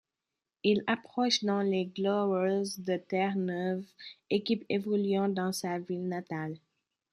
Il approche alors les Growlers de Terre-Neuve, équipe évoluant dans sa ville natale.